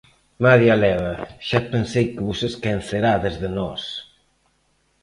Madía leva, xa pensei que vos esquecerades de nós!